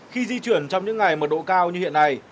khi di chuyển trong những ngày mật độ cao như hiện nay